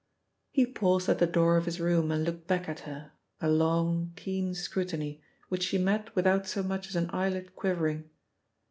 He paused at the door of his room and looked back at her, a long, keen scrutiny, which she met without so much as an eyelid quivering.